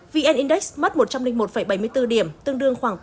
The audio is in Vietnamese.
vn index mất một trăm linh một bảy mươi bốn điểm tương đương khoảng tám mươi